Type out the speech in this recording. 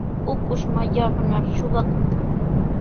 Ukush mallaqnar suqakun.